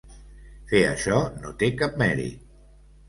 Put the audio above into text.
Fer això no té cap mèrit.